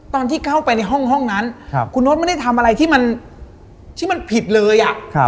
ตอนที่เข้าไปในห้องนั้นคุณโน๊ตไม่ได้ทำอะไรที่มันผิดเลย